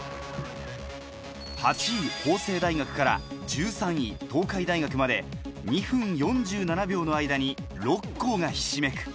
８位・法政大学から１３位・東海大学まで２分４７秒の間に６校がひしめく。